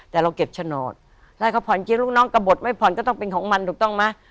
แต่เราเก็บโฉนดถ้าเขาผ่อนกินลูกน้องกระบดไม่ผ่อนก็ต้องเป็นของมันถูกต้องไหม